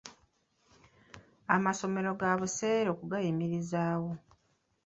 Amasomero ga buseere okugayimirizaawo.